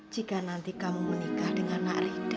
jika nanti kamu menikah dengan anak rida